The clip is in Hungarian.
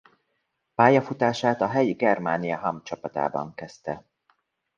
Pályafutását a helyi Germania Hamm csapatában kezdte.